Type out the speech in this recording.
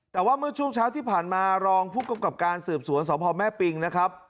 แต่ว่าเมื่อช่วงเช้าที่ผ่านมารองผู้กำกับการสืบสวนสพแม่ปิงนะครับ